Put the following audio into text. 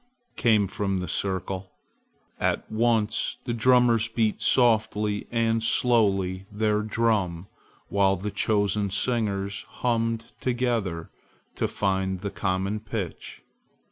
came from the circle. At once the drummers beat softly and slowly their drum while the chosen singers hummed together to find the common pitch.